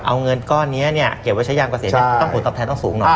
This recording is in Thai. เอาเงินก้อนนี้เก็บไว้ใจยามเกษียณต้องหุ่นตอบแทนทำสูงหน่อย